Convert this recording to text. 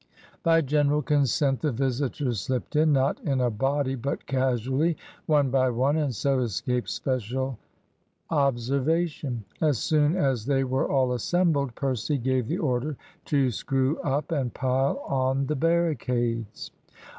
By general consent the visitors slipped in, not in a body, but casually one by one, and so escaped special observation. As soon as they were all assembled, Percy gave the order to screw up, and pile on the barricades.